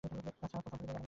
আচ্ছা, পসাম পরিবার এমন না।